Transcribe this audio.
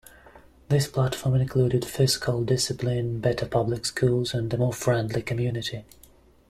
This platform included fiscal discipline, better public schools, and a more friendly community.